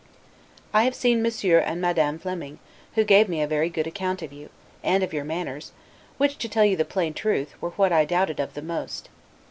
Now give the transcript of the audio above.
I have seen Monsieur and Madame Flemming, who gave me a very good account of you, and of your manners, which to tell you the plain truth, were what I doubted of the most.